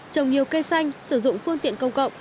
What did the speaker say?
trồng nhiều cây xanh sử dụng phương tiện công cộng